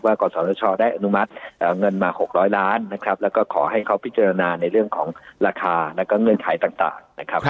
กศชได้อนุมัติเงินมา๖๐๐ล้านนะครับแล้วก็ขอให้เขาพิจารณาในเรื่องของราคาแล้วก็เงื่อนไขต่างนะครับ